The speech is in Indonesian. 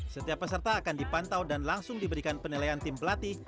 setiap peserta akan dipantau dan langsung diberikan penilaian tim pelatih